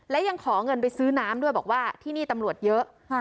และยังขอเงินไปซื้อน้ำด้วยบอกว่าที่นี่ตำรวจเยอะ